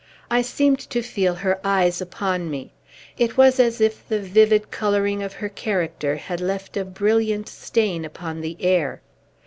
I seemed to feel her eyes upon me. It was as if the vivid coloring of her character had left a brilliant stain upon the air.